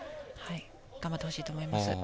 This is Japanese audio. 頑張ってほしいと思います。